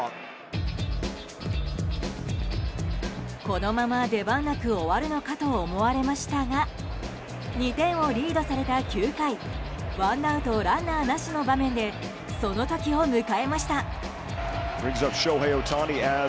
このまま出番なく終わるのかと思われましたが２点をリードされた９回ワンアウト、ランナーなしの場面で、その時を迎えました。